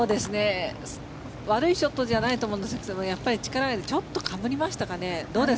悪いショットじゃないと思いますがやっぱり力がちょっとかぶりましたかね。